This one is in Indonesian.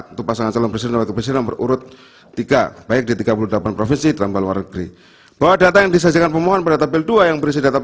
untuk pasangan calon pm dan wp dua ribu dua puluh empat